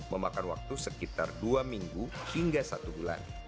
memakan waktu sekitar dua minggu hingga satu bulan